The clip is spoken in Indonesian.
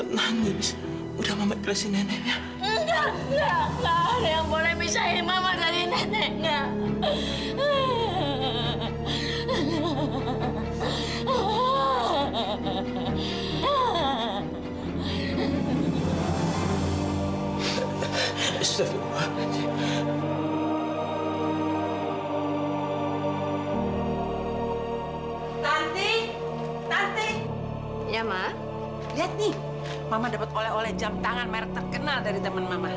lihat nih mama dapat oleh oleh jam tangan merek terkenal dari teman mama